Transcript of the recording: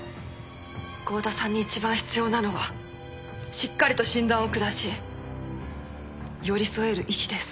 郷田さんに一番必要なのはしっかりと診断を下し寄り添える医師です。